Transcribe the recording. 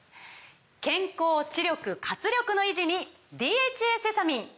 健康・知力・活力の維持に「ＤＨＡセサミン」！